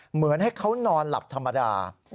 เหมือนให้เขานอนหลับธรรมดา